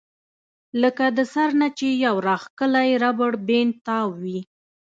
لکه د سر نه چې يو راښکلی ربر بېنډ تاو وي